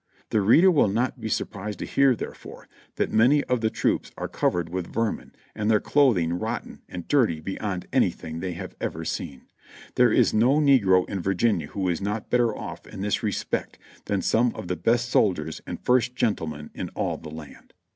The reader will not be surprised to hear, therefore, that many of the troops are covered v/ith vermin and their clothing rotten and dirty beyond anything they have ever seen. There is no negro in Virginia who is not better off in this respect than some of the best soldiers and first gentlemen in all the land."